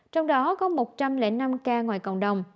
trong đó có một trăm linh năm ca ngoài cộng đồng